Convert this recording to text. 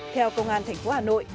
theo công an thành phố hà nội